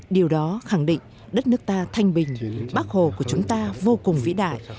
điều đó khẳng định đất nước ta thanh bình bác hồ của chúng ta vô cùng vĩ đại